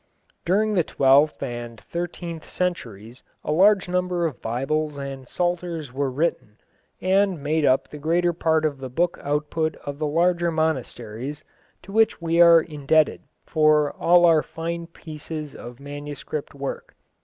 During the twelfth and thirteenth centuries a large number of Bibles and Psalters were written, and made up the greater part of the book output of the larger monasteries, to which we are indebted for all our fine pieces of manuscript work.